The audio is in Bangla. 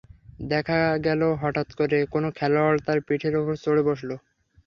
দেখা গেল হঠাৎ করে কোনো খেলোয়াড় তাঁর পিঠের ওপর চড়ে বসল।